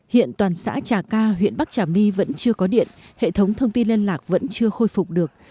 hiện toàn xã trà ca huyện bắc trà my vẫn chưa có điện hệ thống thông tin liên lạc vẫn chưa khôi phục được